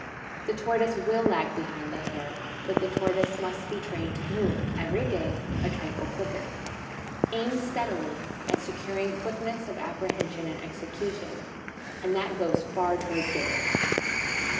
The tortoise will lag behind the hare, but the tortoise must be trained to move, every day, a trifle quicker. Aim steadily at securing quickness of apprehension and execution, and that goes far towards getting it.